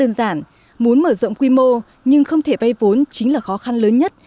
đơn giản muốn mở rộng quy mô nhưng không thể bay vốn chính là khó khăn lớn nhất